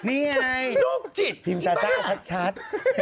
นี่ไงนี่ลูกจิตพิมพ์ซาซ่าว่ะชัด